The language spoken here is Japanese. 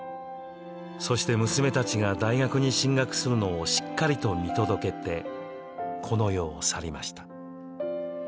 そして娘たちが大学に進学するのをしっかりと見届けてこの世を去りました。